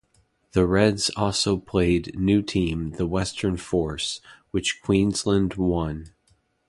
The Reds also played new team the Western Force, which Queensland won.